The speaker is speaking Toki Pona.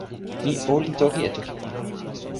mi olin toki e toki pona.